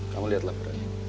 kamu lihat laporan ini